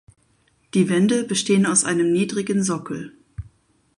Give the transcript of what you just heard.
Die Wände bestehen aus einem niedrigen Sockel.